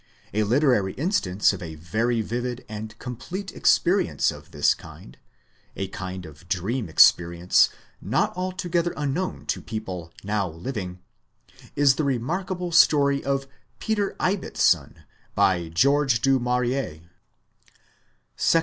A literary instance of a very vivid and complete experience of this kind a kind of dream experience VOL. Ill 2 582 The Outline of Science not altogether unknown to people now living is the remarkable story of Peter Ibbetson by George du Maurier.